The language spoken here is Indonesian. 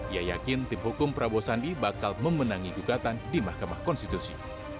ia yakin tim hukum prabowo sandi bakal memenangi gugatan di mahkamah konstitusi